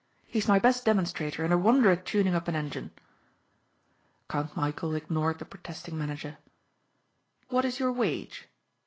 "He is my best demonstrator and a wonder at tuning up an engine." Count Michæl ignored the protesting manager. "What is your wage?"